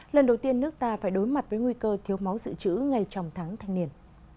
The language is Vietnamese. lần đầu tiên nước ta phải đối mặt với nguy cơ thiếu máu dự trữ ngay trong tháng thanh niên